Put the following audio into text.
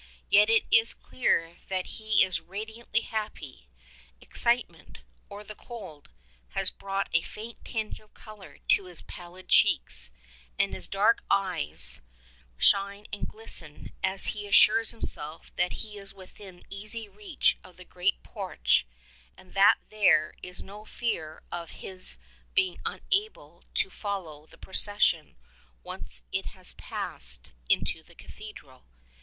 Yet it is clear that he is radiantly happy. Excitement, or the cold, has brought a faint tinge of color to his pallid cheeks, and his dark eyes shine and glisten as he assures himself that he is within easy reach of the great porch and that there is no fear of his being unable to follow the procession once it has passed into the cathedral.